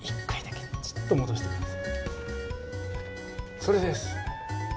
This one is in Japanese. それです！